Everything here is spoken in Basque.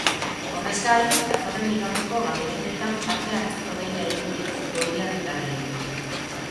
Horrez gain, datorren igandeko galdeketetan parte hartzeko deia egin diete goierritarrei.